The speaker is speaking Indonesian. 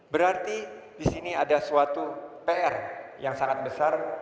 berarti di sini ada suatu pr yang sangat besar